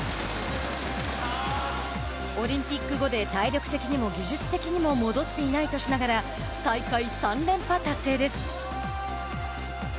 オリンピック後で体力的にも技術的にも戻っていないとしながら大会３連覇達成です。